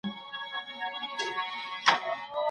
په ابتدايي ټولنه کې